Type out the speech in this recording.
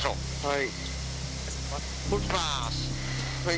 はい。